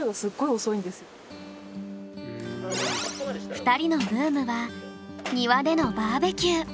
２人のブームは庭でのバーベキュー。